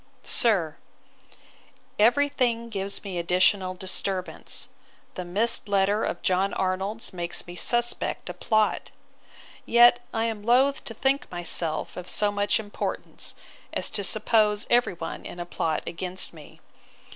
'SIR, 'Every thing gives me additional disturbance. The missed letter of John Arnold's makes me suspect a plot. Yet am I loath to think myself of so much importance, as to suppose every one in a plot against me.